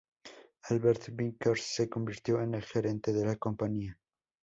Albert Vickers se convirtió en el gerente de la compañía.